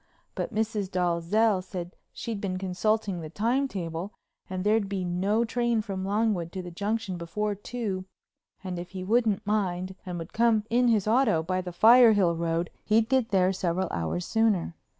But Mrs. Dalzell said she'd been consulting the time tables and there'd be no train from Longwood to the Junction before two and if he wouldn't mind and would come in his auto by the Firehill Road he'd get there several hours sooner.